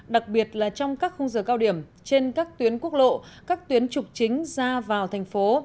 đặc biệt là trong các khung giờ cao điểm trên các tuyến quốc lộ các tuyến trục chính ra vào thành phố